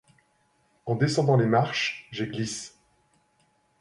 En descendant les marches, j'ai gliss